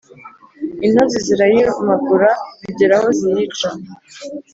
intozi zirayirumagura, zigera aho ziyica